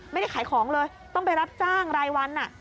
ไม่ได้ขายของเลยต้องไปรับจ้างรายวัน